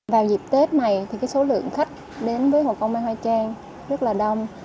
vào dịp tết này số lượng khách đến với hồ công mai hoa trang rất là đông